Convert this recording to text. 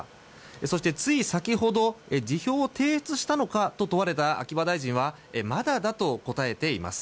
そしてつい先ほど辞表を提出したのかと問われた秋葉大臣はまだだと答えています。